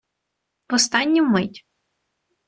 В останню мить